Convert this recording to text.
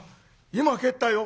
今帰ったよ」。